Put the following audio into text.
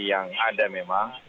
yang ada memang